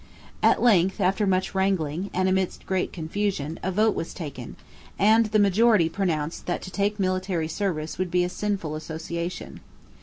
At length, after much wrangling, and amidst great confusion, a vote was taken; and the majority pronounced that to take military service would be a sinful association.